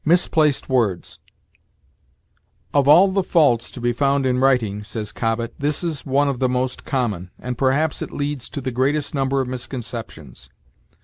MISPLACED WORDS. "Of all the faults to be found in writing," says Cobbett, "this is one of the most common, and perhaps it leads to the greatest number of misconceptions.